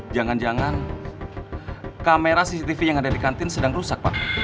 jangan jangan kamera cctv yang ada di kantin sedang rusak pak